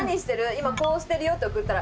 今こうしてるよって送ったら。